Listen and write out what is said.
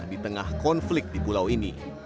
di tengah konflik di pulau ini